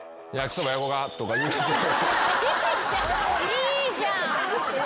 いいじゃん！